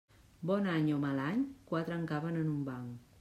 Bon any o mal any, quatre en caben en un banc.